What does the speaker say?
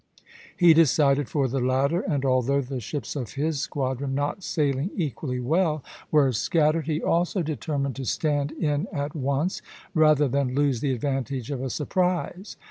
He decided for the latter; and although the ships of his squadron, not sailing equally well, were scattered, he also determined to stand in at once, rather than lose the advantage of a surprise.